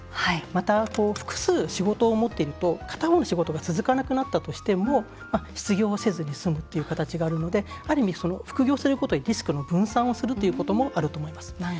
また、複数仕事をもっていると片方の仕事が続かなくなったとしても失業をせずに済むっていう形があるのである意味、副業をすることでリスクの分散をするということもあると思います。